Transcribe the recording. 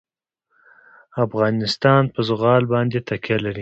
افغانستان په زغال باندې تکیه لري.